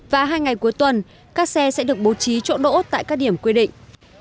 và hai ngày cuối tuần các xe sẽ được bố trí chỗ đỗ tại các điểm quy định